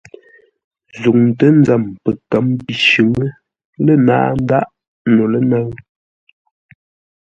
Zuŋtə́ nzəm pəkə̌m pi shʉ̌ŋ, lé ŋáa ndáʼ no lə́nə́ʉ.